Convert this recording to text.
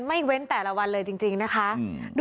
ไม่รู้จะตอบยังไง